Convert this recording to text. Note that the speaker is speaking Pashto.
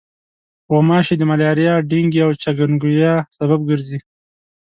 غوماشې د ملاریا، ډنګي او چکنګونیا سبب ګرځي.